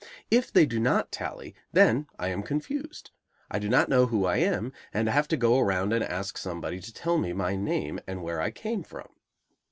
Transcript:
If they do not tally, then I am confused; I do not know who I am, and I have to go around and ask somebody to tell me my name and where I came from.